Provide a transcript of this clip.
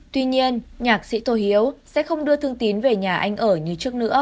tuy nhiên nhạc sĩ tô hiếu sẽ không đưa thương tín về nhà anh ở như trước nữa